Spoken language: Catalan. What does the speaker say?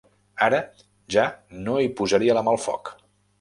Ara ja no hi posaria la mà al foc.